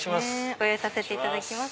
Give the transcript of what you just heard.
ご用意させていただきます